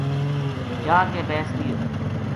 جا کے بیس رہیو